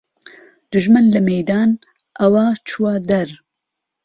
دوژمن له مهیدان ئهوه چووه دەر